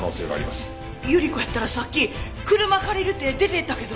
ゆり子やったらさっき車借りるって出て行ったけど。